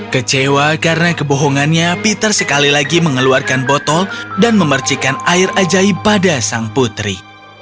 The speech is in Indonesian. kecewa karena kebohongannya peter sekali lagi mengeluarkan botol dan memercikan air ajaib pada sang putri